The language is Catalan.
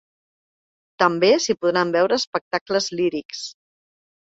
També s’hi podran veure espectacles lírics.